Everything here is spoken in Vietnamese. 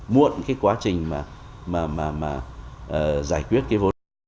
muộn quá trình giải quyết vốn